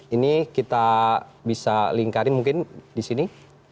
ini kita bisa lingkarin mungkin di sini